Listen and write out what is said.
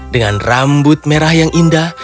dengan rambut merah yang indah